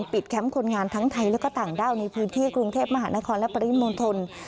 แคมป์คนงานทั้งไทยและก็ต่างด้าวในพื้นที่กรุงเทพมหานครและปริมณฑล